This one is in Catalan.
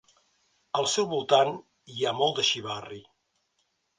Al seu voltant hi ha molt de xivarri.